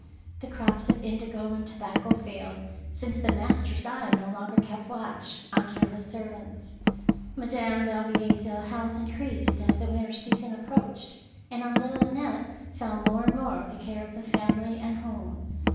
The crops of indigo and tobacco failed, since the master's eye no longer kept watch on careless servants. Madame Yalvier's ill health increased as the winter season approached, and on little Annette fell more and more the care of the family and home.